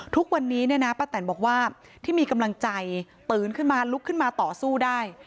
ทุกวันนี้เนี่ยนะป้าแตนบอกว่าที่มีกำลังใจตื่นขึ้นมาลุกขึ้นมาต่อสู้ได้